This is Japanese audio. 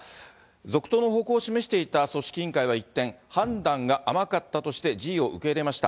続投の方向を示していた組織委員会は一転、判断が甘かったとして辞意を受け入れました。